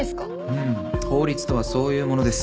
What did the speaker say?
うーん法律とはそういうものです。